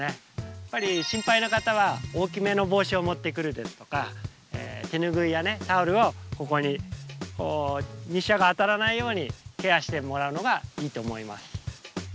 やっぱり心配な方は大きめの帽子を持ってくるですとか手拭いやタオルをここにこう日射が当たらないようにケアしてもらうのがいいと思います。